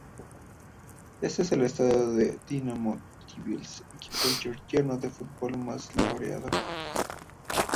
Es el estadio del Dinamo Tbilisi, equipo georgiano de fútbol más laureado.